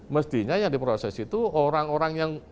mestinya yang diproses itu orang orang yang